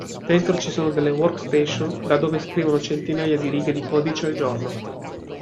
Dentro ci sono delle workstation da dove scrivono centinaia di righe di codice al giorno.